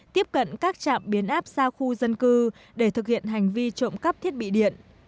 tiếp cận các trạm biến áp xa khu dân cư để thực hiện hành vi trộm cắp thiết bị điện